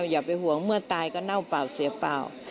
อย่าไปห่วงเมื่อตายก็เน่าเปล่าเสียเปล่า